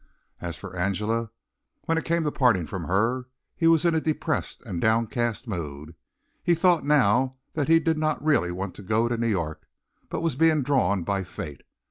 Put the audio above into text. As for Angela, when it came to parting from her, he was in a depressed and downcast mood. He thought now that he did not really want to go to New York, but was being drawn by fate.